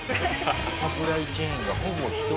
「サプライチェーンがほぼ１人」